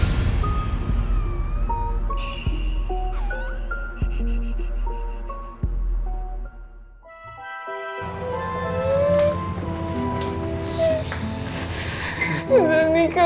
aku bisa melakukan semuanya dengan satu tindakan